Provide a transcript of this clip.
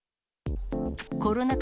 コロナ禍